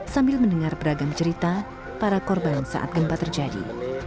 sambil mendengar beragam cerita para korban saat gempa terjadi